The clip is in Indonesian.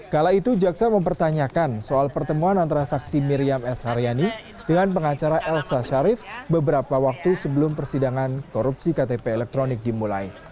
kala itu jaksa mempertanyakan soal pertemuan antara saksi miriam s haryani dengan pengacara elsa sharif beberapa waktu sebelum persidangan korupsi ktp elektronik dimulai